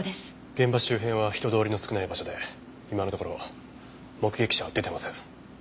現場周辺は人通りの少ない場所で今のところ目撃者は出てません。